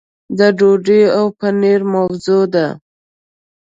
د ډوډۍ او پنیر موضوع ده.